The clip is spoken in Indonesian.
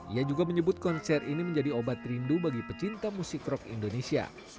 ia juga menyebut konser ini menjadi obat rindu bagi pecinta musik rock indonesia